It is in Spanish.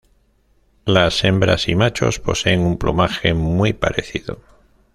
Las hembras y machos poseen un plumaje muy parecido.